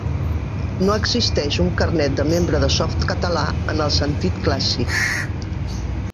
No existeix un carnet de membre de Softcatalà, en el sentit clàssic.